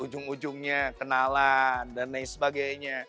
ujung ujungnya kenalan dan lain sebagainya